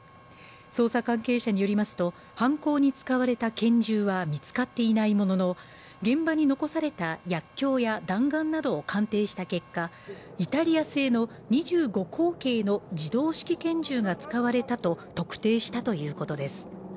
捜査関係者によりますと犯行に使われた拳銃は見つかっていないものの現場に残された薬きょうや弾丸などを鑑定した結果イタリア製の２５口径の自動式拳銃が使われたと特定したということです